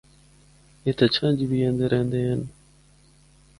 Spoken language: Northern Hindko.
اِتھا چَھنچ بھی ایندے رہندے ہن۔